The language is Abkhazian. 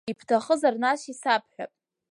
Ибҭахызар нас исабҳәап.